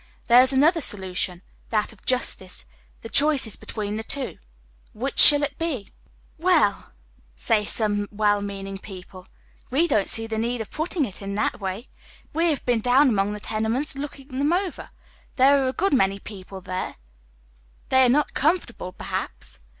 There is another solution, that of justice. The choice is between the two. Which shall it be ?" Well !" say some well meaning people ;" we don't see the need of putting it in tliat way. We have been down among the tenements, looked thein over. There are a good many people there ; they are not comfortable, per haps.